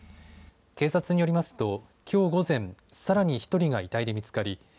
警察によりますと、きょう午前さらに１人が遺体で見つかり